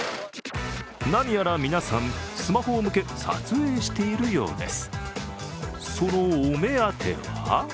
何やら皆さん、スマホを向け撮影しているようです。